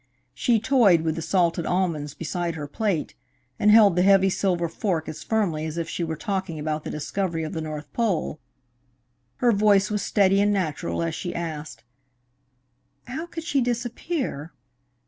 She toyed with the salted almonds beside her plate and held the heavy silver fork as firmly as if she were talking about the discovery of the north pole. Her voice was steady and natural as she asked, "How could she disappear?"